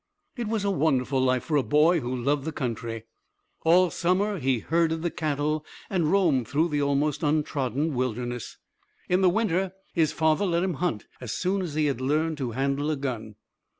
It was a wonderful life for a boy who loved the country. All summer he herded the cattle and roamed through the almost untrodden wilderness. In the winter his father let him hunt as soon as he had learned to handle a gun.